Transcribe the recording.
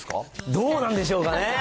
どうなんでしょうかね。